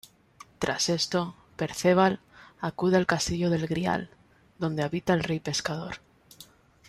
Tras esto, Perceval acude al castillo del Grial, donde habita el Rey Pescador.